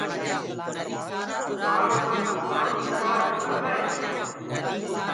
ڪآ اُنآ ڪوُ ڪآنڇنڊآزݪآ ڪونآ کآئينٚ۔